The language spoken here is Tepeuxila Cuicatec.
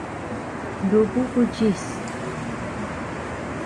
Nuku kuchis.